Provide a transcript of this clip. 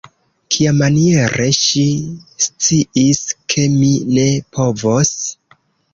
Kiamaniere ŝi sciis, ke mi ne povos?